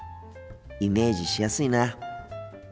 イメージしやすいな。